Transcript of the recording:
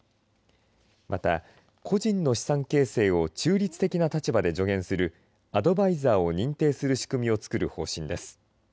また個人の資産形成を中立的な立場で助言するアドバイザーを認定する仕組みを作る方針です。